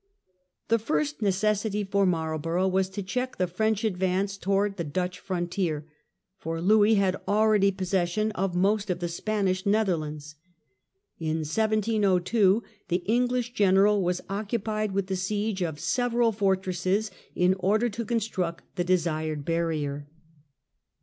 The first necessity for Marlborough was to check the French advance towards the Dutch frontier, for Louis Marlborough's had already possession of most of the Span objects, ish Netherlands. In 1702 the English general was occupied with the siege of several fortresses in order to construct the desired barrier.